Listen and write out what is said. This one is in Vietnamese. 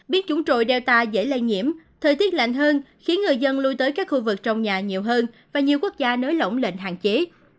biến chúng trồi delta dễ lây nhiễm thời tiết lạnh hơn khiến người dân lui tới các khu vực trong nhà nhiều hơn và nhiều quốc gia nới lỏng lệnh hạn chế